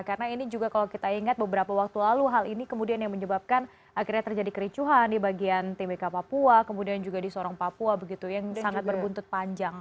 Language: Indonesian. karena ini juga kalau kita ingat beberapa waktu lalu hal ini kemudian yang menyebabkan akhirnya terjadi kericuhan di bagian tbk papua kemudian juga di sorong papua yang sangat berbuntut panjang